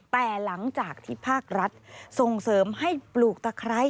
แต่หลังจากที่ภาครัฐส่งเสริมให้ปลูกตะไคร้